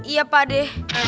iya pak de